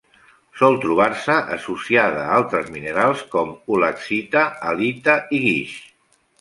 Sol trobar-se associada a altres minerals, com: ulexita, halita i guix.